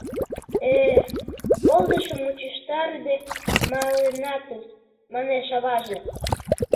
— Э-э, полдышым мучыштарыде маленатыс, — манеш аваже.